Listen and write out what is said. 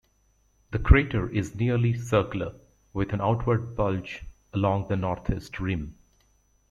The crater is nearly circular, with an outward bulge along the northeast rim.